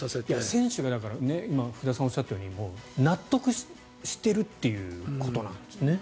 選手が、だから福田さんがおっしゃったように納得しているっていうことなんですね。